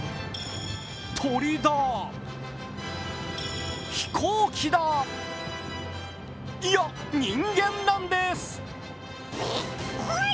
鳥だ、飛行機だ、いや、人間なんです。